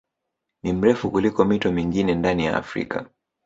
Ni mrefu kuliko mito mingine ndani ya Afrika